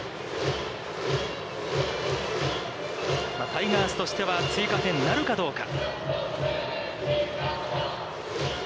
タイガースとしては追加点なるかどうか。